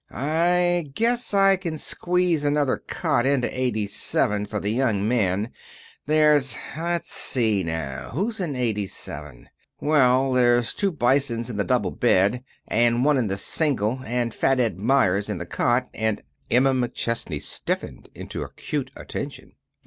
I guess I can squeeze another cot into eighty seven for the young man. There's let's see now who's in eighty seven? Well, there's two Bisons in the double bed, and one in the single, and Fat Ed Meyers in the cot and " Emma McChesney stiffened into acute attention.